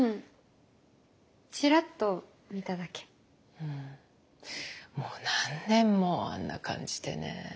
うんもう何年もあんな感じでね。